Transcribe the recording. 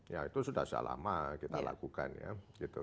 ya itu sudah selama kita lakukan ya gitu